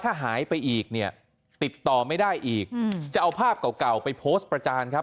ถ้าหายไปอีกเนี่ยติดต่อไม่ได้อีกจะเอาภาพเก่าไปโพสต์ประจานครับ